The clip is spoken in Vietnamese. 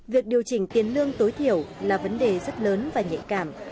việc điều chỉnh tiền lương tối thiểu là vấn đề rất lớn và nhạy cảm